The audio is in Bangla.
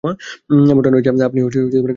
এমনটা নয় যে আপনি ক্যান্সারে মারা যাবেন।